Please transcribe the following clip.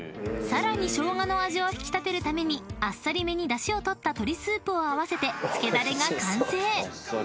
［さらに生姜の味を引き立てるためにあっさりめにだしを取った鶏スープを合わせてつけだれが完成］